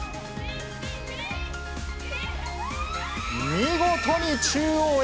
見事に中央へ、